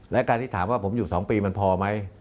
และการที่ถามว่าผมอยู่๒ปีมันพอไหม